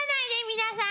皆さん。